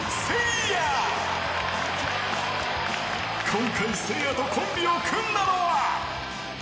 ［今回せいやとコンビを組んだのは］